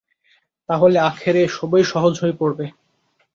তা হলেই আখেরে সবই সহজ হয়ে পড়বে।